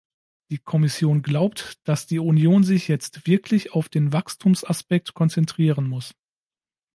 Die Kommission glaubt, dass die Union sich jetzt wirklich auf den Wachstumsaspekt konzentrieren muss.